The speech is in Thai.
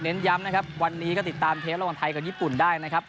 ย้ำนะครับวันนี้ก็ติดตามเทประหว่างไทยกับญี่ปุ่นได้นะครับ